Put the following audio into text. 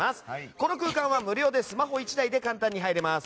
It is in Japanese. この空間は無料でスマホ１台で簡単に入れます。